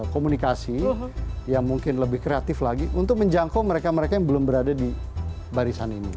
komunikasi yang mungkin lebih kreatif lagi untuk menjangkau mereka mereka yang belum berada di barisan ini